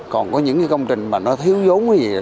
còn có những công trình mà nó thiếu dốn gì